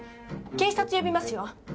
警察呼びますよ。